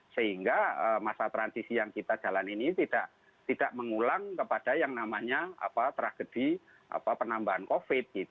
sehingga masa transisi yang kita jalan ini tidak mengulang kepada yang namanya tragedi penambahan covid